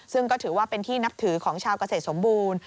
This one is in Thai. ซึ่งก็ถือว่าเป็นที่นับถือของชาวเกษตรสมบูรณ์